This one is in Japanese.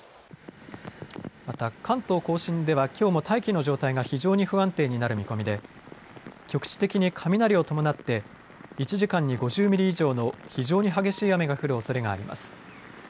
また関東甲信ではきょうも大気の状態が非常に不安定になる見込みで局地的に雷を伴って１時間に５０ミリ以上の非常に激しい雨が降るおそれがあります。